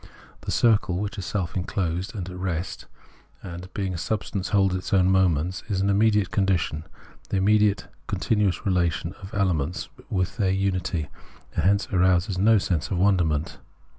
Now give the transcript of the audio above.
The circle, which is self enclosed and at rest, and, being a substance, holds its own moments, is an immediate condition, the immediate, continuous relation of ele ments with their unity, and hence arouses no sense of wonderment.